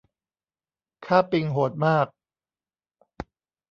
ค่าปิงโหดมาก